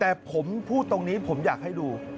แต่ผมพูดตรงนี้ผมอยากให้ดู